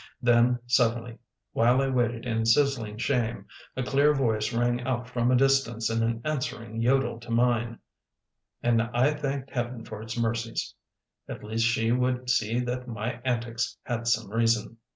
Then suddenly, while I waited in sizzling shame, a clear voice rang out from a distance in an answering yodel to mine, and I thanked heaven for its mercies; at least she would see that my antics had some reason.